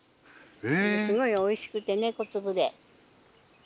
すごいおいしくてね小粒で。